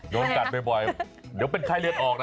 โดนกัดบ่อยเดี๋ยวเป็นไข้เลือดออกนะ